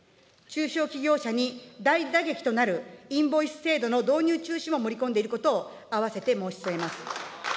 中小企業者に大打撃となるインボイス制度の導入中止も盛り込んでいることを併せて申し添えます。